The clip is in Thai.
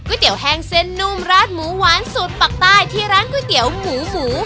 เตี๋ยแห้งเส้นนุ่มราดหมูหวานสูตรปักใต้ที่ร้านก๋วยเตี๋ยวหมูหมู